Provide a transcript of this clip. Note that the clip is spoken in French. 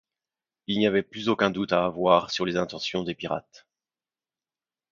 Il n’y avait plus aucun doute à avoir sur les intentions des pirates.